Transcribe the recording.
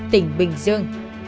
tỉnh bình dương